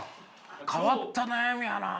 変わった悩みやなあ。